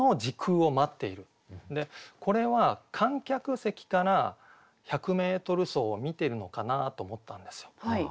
これは観客席から１００メートル走を見てるのかなと思ったんですよ。